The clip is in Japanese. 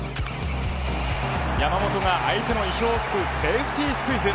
山本が相手の意表を突くセーフティースクイズ。